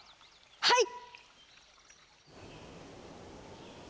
はい！